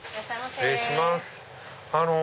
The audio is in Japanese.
失礼します。